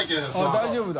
大丈夫だ。